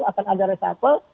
akan ada reshuffle